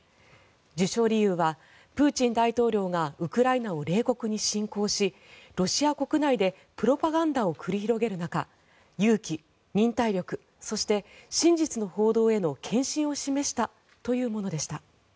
授賞理由はプーチン大統領がウクライナを冷酷に侵攻しロシア国内でプロパガンダを繰り広げる中勇気、忍耐力そして真実の報道への献身を示したというものでした。